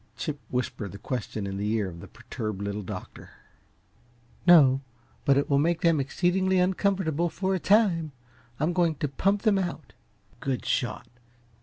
Chip whispered the question in the ear of the perturbed Little Doctor. "No but it will make them exceedingly uncomfortable for a time I'm going to pump them out." "Good shot!